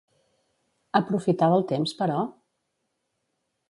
Aprofitava el temps però?